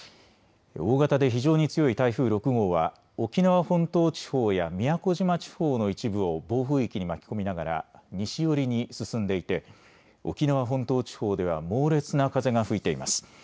大型で非常に強い台風６号は沖縄本島地方や宮古島地方の一部を暴風域に巻き込みながら西寄りに進んでいて沖縄本島地方では猛烈な風が吹いています。